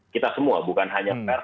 kita semua bukan hanya pers